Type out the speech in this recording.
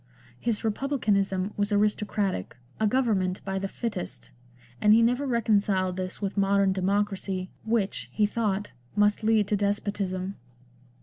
His republicanism was aristocratic, a govern ment by the fittest, and he never reconciled this with modern democracy, which, he thought, must lead to despotism.